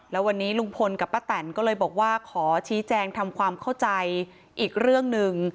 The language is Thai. แล้ววันนี้ลุงพลกับป้าแตนก็เลยบอกว่าขอชี้แจงทำความเข้าใจอีกเรื่องหนึ่ง